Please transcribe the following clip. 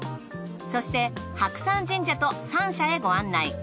そして白山神社と三社へご案内。